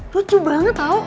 lucu banget tau